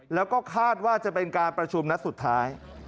แล้วก็คาดว่าจะเป็นการประชุมนัดสุดท้าย